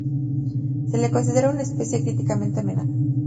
Se la considera una especie críticamente amenazada.